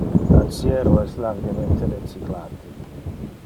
Le aciero es largemente recyclate.